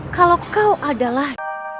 kalau kau adalah